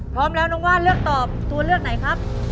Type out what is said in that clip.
พร้อมแล้วน้องว่านเลือกตอบตัวเลือกไหนครับ